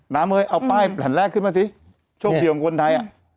เฮ้ยเอาป้ายแผ่นแรกขึ้นมาสิโชคดีของคนไทยอ่ะ